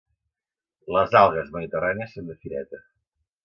Les algues mediterrànies són de fireta.